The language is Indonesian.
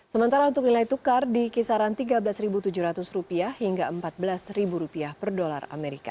sementara untuk nilai tukar di kisaran tiga belas tujuh ratus rupiah hingga empat belas rupiah per dolar amerika